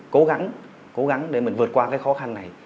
cố gắng cố gắng để mình vượt qua cái khó khăn này